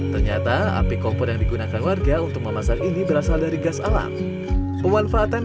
ternyata api kompor yang digunakan warga untuk memasak ini berasal dari gas alam pemanfaatan